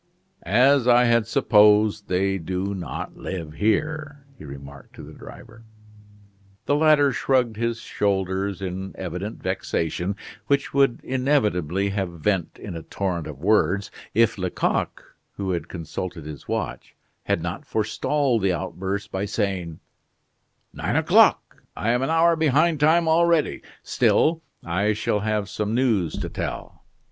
"As I had supposed, they do not live here," he remarked to the driver. The latter shrugged his shoulders in evident vexation, which would inevitably have vent in a torrent of words, if Lecoq, who had consulted his watch, had not forestalled the outburst by saying: "Nine o'clock I am an hour behind time already: still I shall have some news to tell.